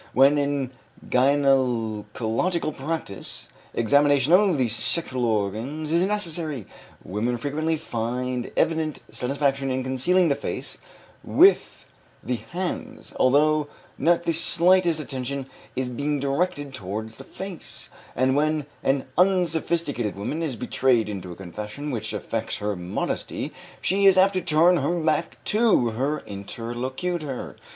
When, in gynecological practice, examination of the sexual organs is necessary, women frequently find evident satisfaction in concealing the face with the hands, although not the slightest attention is being directed toward the face, and when an unsophisticated woman is betrayed into a confession which affects her modesty she is apt to turn her back to her interlocutor.